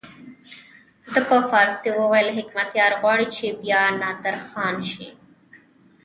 ده په فارسي وویل حکمتیار غواړي چې بیا نادرخان شي.